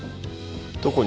どこに？